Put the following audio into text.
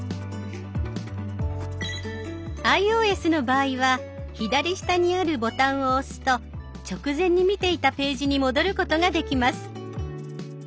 ｉＯＳの場合は左下にあるボタンを押すと直前に見ていたページに戻ることができます。